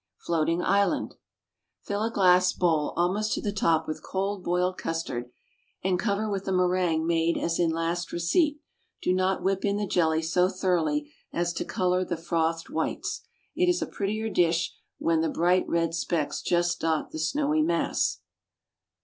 Floating Island. Fill a glass bowl almost to the top with cold boiled custard and cover with a méringue made as in last receipt. Do not whip in the jelly so thoroughly as to color the frothed whites. It is a prettier dish when the bright red specks just dot the snowy mass.